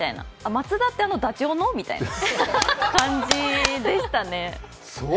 松田って、あのダチョウの？みたいな感じでしたね。